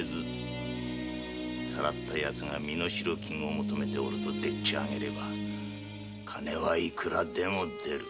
さらったヤツが身代金を求めておるとでっちあげれば金は幾らでも出る。